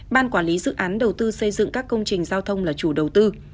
ban quản lý dự án đầu tư xây dựng các công trình giao thông là chủ đầu tư